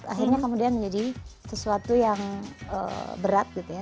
akhirnya kemudian menjadi sesuatu yang berat gitu ya